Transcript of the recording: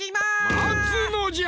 まつのじゃ！